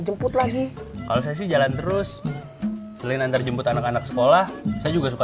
jemput lagi kalau saya sih jalan terus selain antarjemput anak anak sekolah saya juga suka